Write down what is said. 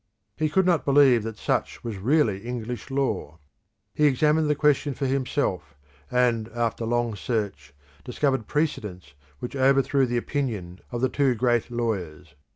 He could not believe that such was really English law. He examined the question for himself, and, after long search, discovered precedents which overthrew the opinion of the two great lawyers.